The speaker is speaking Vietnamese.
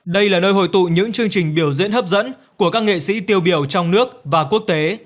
đây là nơi hội tụ những chương trình biểu diễn hấp dẫn của các nghệ sĩ tiêu biểu trong nước và quốc tế